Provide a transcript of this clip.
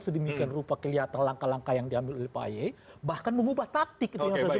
sedemikian rupa kelihatan langkah langkah yang diambil oleh paye bahkan memubah taktik